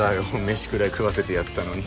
飯くらい食わせてやったのに。